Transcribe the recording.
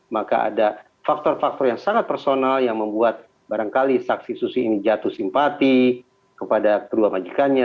maka ada faktor faktor yang sangat personal yang membuat barangkali saksi susi ini jatuh simpati kepada kedua majikannya